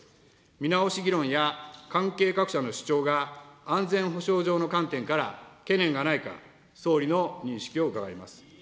見直し議論や関係各社の主張が安全保障上の観点から懸念がないか、総理の認識を伺います。